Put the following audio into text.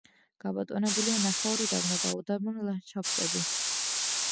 გაბატონებულია ნახევარუდაბნო და უდაბნო ლანდშაფტები.